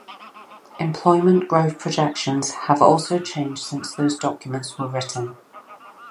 Employment growth projections have also changed since those documents were written.